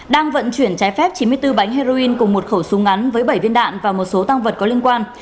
đang vận chuyển trái phép chín mươi bốn bánh heroin cùng một khẩu súng ngắn với bảy viên đạn và một số tăng vật có liên quan